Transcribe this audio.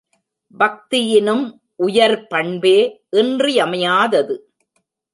பக்தியினும் உயர் பண்பே இன்றியமையாதது.